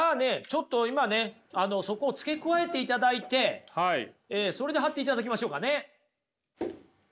ちょっと今ねそこを付け加えていただいてそれで貼っていただきましょうかね。